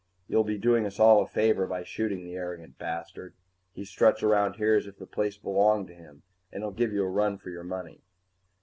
"You'll be doing us all a favor by shooting the arrogant bastard. He struts around here as if the place belonged to him. And he'll give you a run for your money."